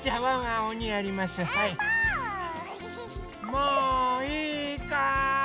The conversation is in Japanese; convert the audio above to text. もういいかい？